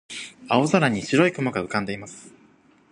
青空に白い雲が浮かんでいます。